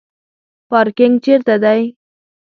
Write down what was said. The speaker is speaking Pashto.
پارکینګ چیرته دی؟